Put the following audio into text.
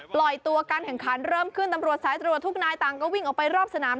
ปล่อยตัวการแข่งขันเริ่มขึ้นตำรวจสายตรวจทุกนายต่างก็วิ่งออกไปรอบสนาม